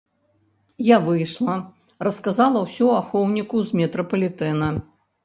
Я выйшла, расказала ўсё ахоўніку з метрапалітэна.